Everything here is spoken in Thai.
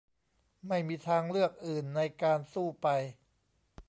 ไม่มีทางเลือกอื่นในการสู้ไป